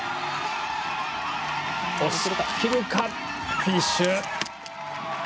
フィニッシュ。